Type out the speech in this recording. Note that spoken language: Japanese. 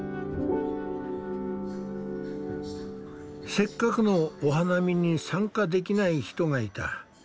せっかくのお花見に参加できない人がいた。